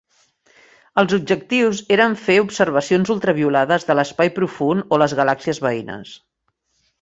Els objectius eren fer observacions ultraviolades de l'espai profund o les galàxies veïnes.